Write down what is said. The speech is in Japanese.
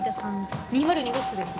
２０２号室ですが。